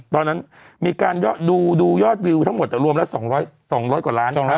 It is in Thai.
ตอนนั้นมีการดูยอดวิวทั้งหมดรวมแล้ว๒๐๐กว่าล้านครั้ง